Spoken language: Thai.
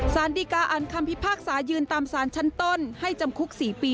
สารดีกาอ่านคำพิพากษายืนตามสารชั้นต้นให้จำคุก๔ปี